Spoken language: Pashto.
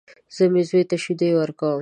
زه مې زوی ته شيدې ورکوم.